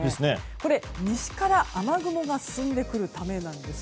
これ、西から雨雲が進んでくるためなんです。